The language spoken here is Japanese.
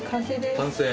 完成。